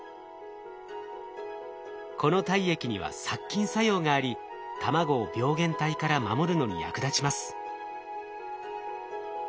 この体液には殺菌作用があり卵を病原体から守るのに役立ちます。